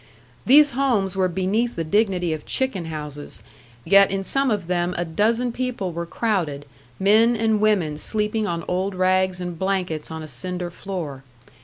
These homes were beneath the dignity of chicken houses, yet in some of them a dozen people were crowded, men and women sleeping on old rags and blankets on a cinder floor.